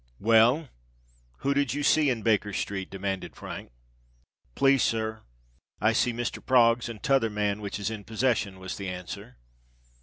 "Well, who did you see in Baker Street?" demanded Frank. "Please, sir, I see Mr. Proggs and t'other man which is in possession," was the answer.